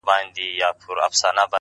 صبر د بریا اوږده پټه لاره ده،